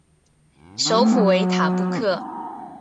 首府为塔布克。